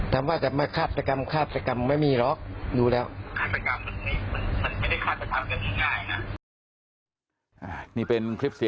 ทำว่าจะมาฆาตกรรมฆาตกรรมไม่มีเหรอ